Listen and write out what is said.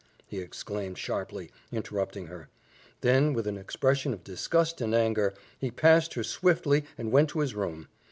he exclaimed sharply, interrupting her; then with an expression of disgust and anger, he passed her swiftly and went to his room.